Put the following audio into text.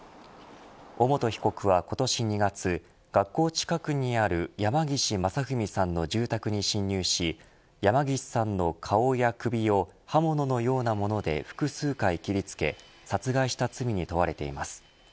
尾本被告は、今年２月学校近くにある山岸正文さんの住宅に侵入し山岸さんの顔や首を刃物のようなもので複数回切りつけ殺害した罪に問われています。